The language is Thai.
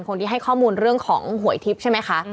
คนที่ให้ข้อมูลเรื่องของหวยทิพย์ใช่ไหมคะ